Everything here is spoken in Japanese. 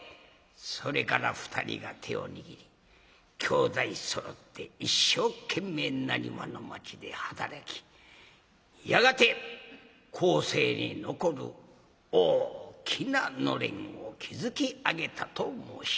それから２人が手を握り兄弟そろって一生懸命なにわの町で働きやがて後世に残る大きな暖簾を築き上げたと申します。